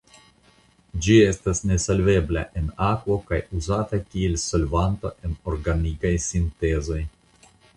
Ĝi estas nesolvebla en akvo kaj uzata kiel solvanto en organikaj sintezoj.